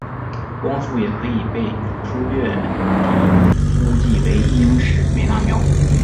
光速也可以被初略地估计为一英尺每纳秒。